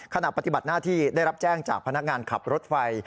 ขณะปฏิบัติหน้าที่ได้รับแจ้งจากพนักงานขับรถไฟ